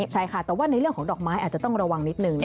ใช่ค่ะแต่ว่าในเรื่องของดอกไม้อาจจะต้องระวังนิดนึง